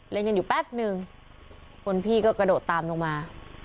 เล่นกันอยู่แป๊บนึงคนพี่ก็กระโดดตามลงมา